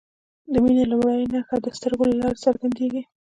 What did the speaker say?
د مینې لومړۍ نښه د سترګو له لارې څرګندیږي.